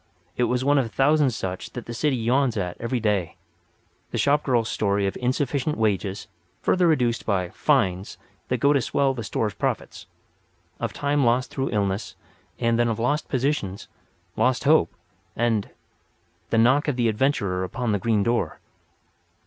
It was one of a thousand such as the city yawns at every day—the shop girl's story of insufficient wages, further reduced by "fines" that go to swell the store's profits; of time lost through illness; and then of lost positions, lost hope, and—the knock of the adventurer upon the green door.